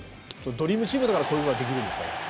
ドリームチームだからこういうことができるんですかね。